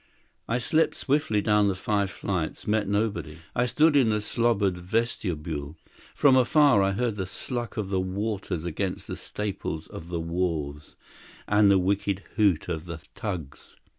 I slipped swiftly down the five flights, met nobody. I stood in the slobbered vestibule. From afar I heard the sluck of the waters against the staples of the wharves, and the wicked hoot of the tugs.